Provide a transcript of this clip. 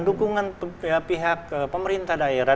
dukungan pihak pemerintah daerah